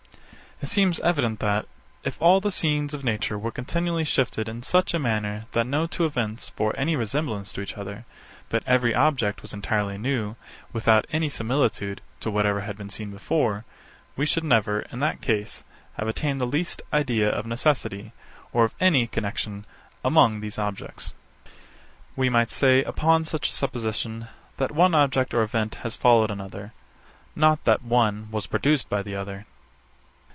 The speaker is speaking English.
It seems evident that, if all the scenes of nature were continually shifted in such a manner that no two events bore any resemblance to each other, but every object was entirely new, without any similitude to whatever had been seen before, we should never, in that case, have attained the least idea of necessity, or of a connexion among these objects. We might say, upon such a supposition, that one object or event has followed another; not that one was produced by the other.